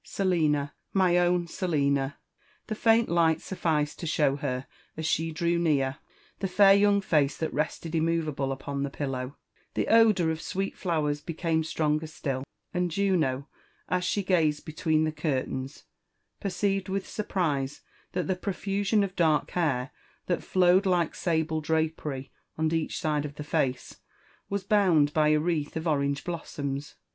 Selina !— my own Selina I" * 'The faint light sufficed to show her, as she drew near, the fair young face that rested immovable upon the pillow; the odour of sweet flowers became stronger still, and Juno, as shQ gazed between the Gurtaina, perceived with surprise that the profusion of dark hair that flowed like sable drapery on each side the lace was bound by a wreath of orange blossoms.